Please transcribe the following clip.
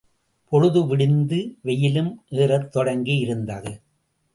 பொழுதுவிடிந்து வெயிலும் ஏறத் தொடங்கியிருந்தது.